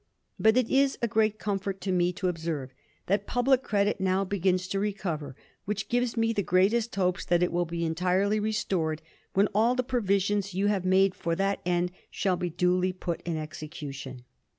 But it is a great comfort to me to observe that public credit now begins to recover, which gives me the greatest hopes that it will be entirely restored when all the provisions you have made for that end shall be duly put in execution.'